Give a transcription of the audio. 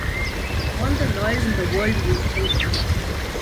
All the lawyers in the world won’t help you!